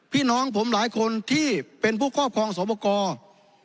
พี่น้องผมหลายคนที่เป็นผู้ครอบครองสวบกร